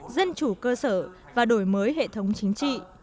dân chủ cơ sở và đổi mới hệ thống chính trị